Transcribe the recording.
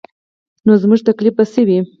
نو زموږ تکلیف به څه وي.